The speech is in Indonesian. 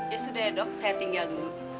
ya sudah ya dok saya tinggal dulu